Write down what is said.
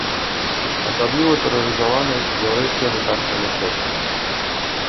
Асабліва тэрарызавана яўрэйскае жыхарства мястэчка.